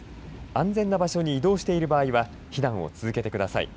安全な場所に移動している場合は避難を続けてください。